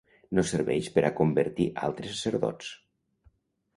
No serveix per a convertir altres sacerdots.